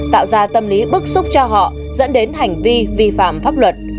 tạo ra tâm lý bức xúc cho họ dẫn đến hành vi vi phạm pháp luật